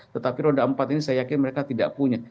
tetapi roda empat ini saya yakin mereka tidak punya